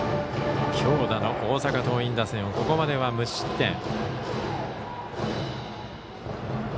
強打の大阪桐蔭打線をここまでは無失点。